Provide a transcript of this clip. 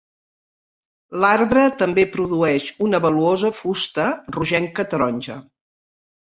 L'arbre també produeix una valuosa fusta rogenca-taronja.